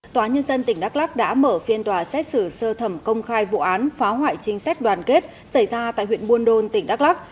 tòa nhân dân tỉnh đắk lắc đã mở phiên tòa xét xử sơ thẩm công khai vụ án phá hoại chính sách đoàn kết xảy ra tại huyện buôn đôn tỉnh đắk lắc